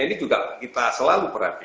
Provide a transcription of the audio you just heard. ini juga kita selalu perhatikan